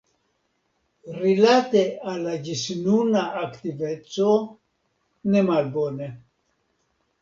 Rilate al la ĝisnuna aktiveco, ne malbone.